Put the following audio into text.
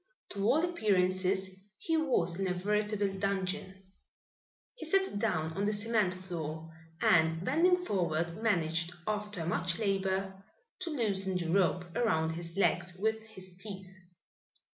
To all appearances he was in a veritable dungeon. He sat down on the cement floor, and bending forward, managed, after much labor, to loosen the rope around his legs with his teeth.